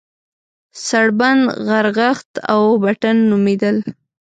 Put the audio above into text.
سړبن، غرغښت او بټن نومېدل.